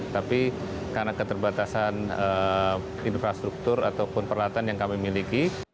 tapi karena keterbatasan infrastruktur ataupun peralatan yang kami miliki